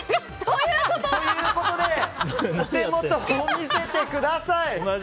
ということでお手元を見せてください。